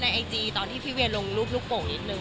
มีคอมเมนต์ในไอจีตอนที่พี่เวียร์ลงรูปนุกโปะนิดนึง